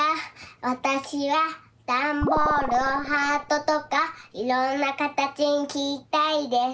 わたしはダンボールをハートとかいろんなカタチにきりたいです。